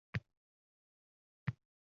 Balki she’rning osmonidan